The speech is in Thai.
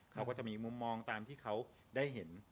เขาก็จะมีมุมมองตามที่เขาได้เห็น